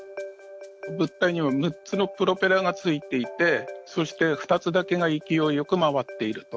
物体には６つのプロペラがついていてそして２つだけが勢いよく回っていると。